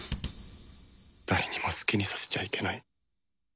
誰にも好きにさせちゃいけない。